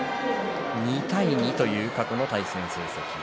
２対２という過去の対戦成績。